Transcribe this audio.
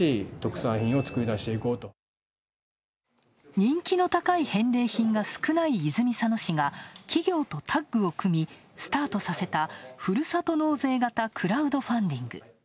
人気の高い返礼品が少ない泉佐野市が企業とタッグを組みスタートさせた、ふるさと納税型クラウドファンディング。